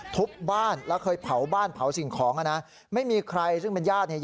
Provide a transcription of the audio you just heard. ทุบบ้านแล้วเคยเผาบ้านเผาสิ่งของอ่ะนะไม่มีใครซึ่งเป็นญาติเนี่ย